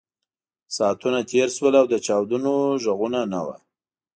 ساعتونه تېر شول او د چاودنو غږونه نه وو